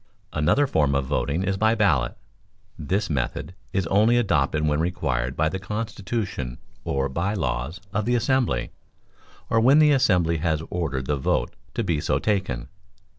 Another form of voting is by ballot. This method is only adopted when required by the constitution or by laws of the assembly, or when the assembly has ordered the vote to be so taken.